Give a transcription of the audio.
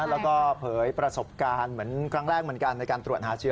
แล้วก็เผยประสบการณ์เหมือนครั้งแรกเหมือนกันในการตรวจหาเชื้อ